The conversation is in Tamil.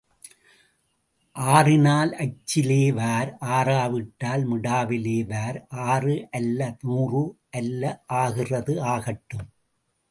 ஆறினால் அச்சிலே வார் ஆறாவிட்டால் மிடாவிலே வார், ஆறு அல்ல, நூறு அல்ல, ஆகிறது ஆகட்டும்.